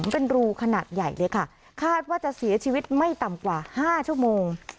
เป็นรูขนาดใหญ่เลยค่ะคาดว่าจะเสียชีวิตไม่ต่ำกว่า๕ชั่วโมง